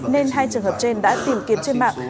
nên hai trường hợp trên đã tìm kiếm trên mạng